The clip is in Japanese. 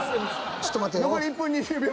ちょっと待って！